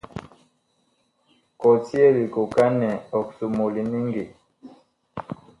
Kɔtye likooka nɛ ɔg somoo liniŋgi.